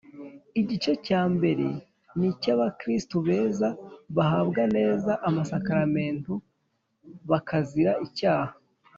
igice cya mbere ni icy’abakristu beza, bahabwa neza amasakaramentu bakazira icyaha